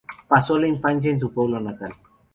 Pasó la infancia en su pueblo natal.